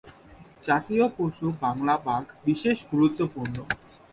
জাতীয় পশু বাংলা বাঘ বিশেষ গুরুত্বপূর্ণ।